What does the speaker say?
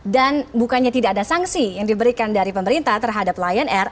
dan bukannya tidak ada sanksi yang diberikan dari pemerintah terhadap lion air